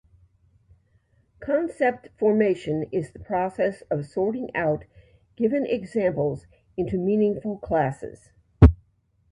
Concept formation is the process of sorting out given examples into meaningful classes.